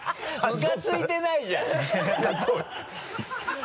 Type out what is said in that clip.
ムカついてないじゃん。